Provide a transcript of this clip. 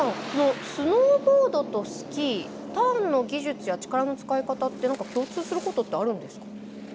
このスノーボードとスキーターンの技術や力の使い方って何か共通することあるんですか？